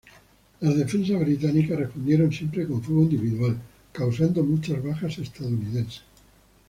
Las defensas británicas respondieron siempre con fuego individual, causando muchas bajas estadounidenses.